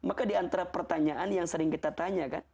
maka diantara pertanyaan yang sering kita tanyakan